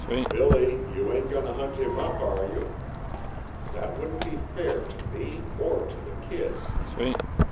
"Billy, you ain't going to hunt him up, are you? That wouldn't be fair to me or to the kid.